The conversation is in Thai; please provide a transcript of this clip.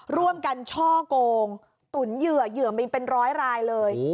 ร่วมกันช่อกงตุ๋นเหยื่อเหยื่อมีเป็นร้อยรายเลย